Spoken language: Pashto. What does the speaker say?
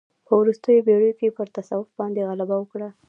په وروستیو پېړیو کې پر تصوف باندې غلبه وکړه.